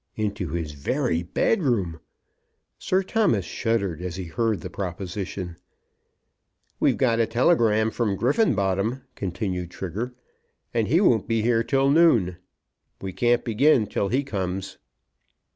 Into his very bed room! Sir Thomas shuddered as he heard the proposition. "We've a telegram from Griffenbottom," continued Trigger, "and he won't be here till noon. We can't begin till he comes."